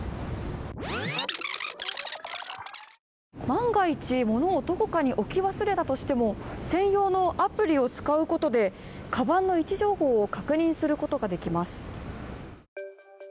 万が一、物をどこかに置き忘れたとしても専用のアプリを使うことでかばんの位置情報を確認することができます。